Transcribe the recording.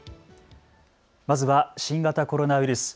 まずは新型コロナウイルス。